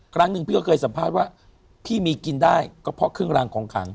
ครั้งหนึ่งพี่ก็เคยสัมภาษณ์ว่าพี่มีกินได้ก็เพราะเครื่องรางของขัง